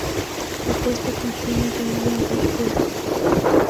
La puesta contiene de uno a dos huevos.